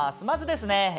まずですね